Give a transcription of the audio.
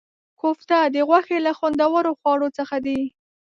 کوفته د غوښې له خوندورو خواړو څخه دی.